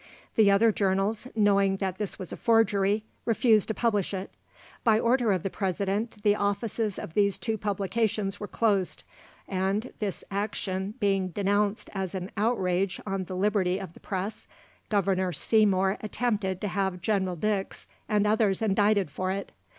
The other journals, knowing that this was a forgery, refused to publish it. By order of the President, the offices of these two publications were closed; and, this action being denounced as an outrage on the liberty of the press, Governor Seymour attempted to have General Dix and others indicted for it."